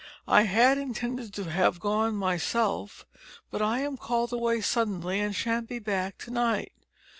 I had intended to have gone myself, but am called away suddenly and shan't be back to night.